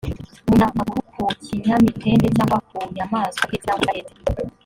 umunyamaguru ku kinyamitende cyangwa ku nyamaswa ihetse cyangwa idahetse